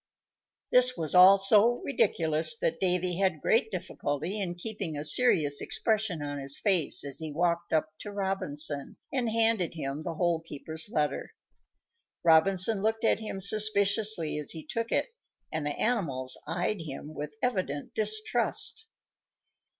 This was all so ridiculous that Davy had great difficulty in keeping a serious expression on his face as he walked up to Robinson and handed him the Hole keeper's letter. Robinson looked at him suspiciously as he took it, and the animals eyed him with evident distrust.